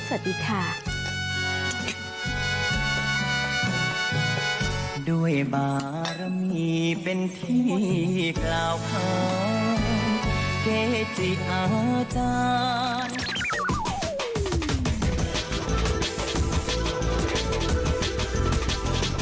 สวัสดีค่ะ